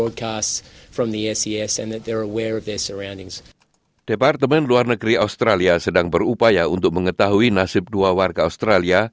departemen luar negeri australia sedang berupaya untuk mengetahui nasib dua warga australia